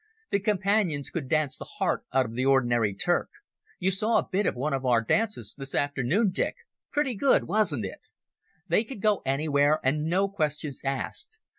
The Companions could dance the heart out of the ordinary Turk. You saw a bit of one of our dances this afternoon, Dick—pretty good, wasn't it? They could go anywhere, and no questions asked.